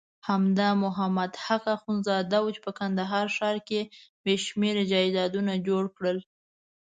همدا محمد حق اخندزاده وو چې په کندهار ښار کې بېشمېره جایدادونه جوړ کړل.